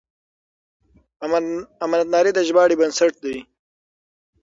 امانتداري د ژباړې بنسټ دی.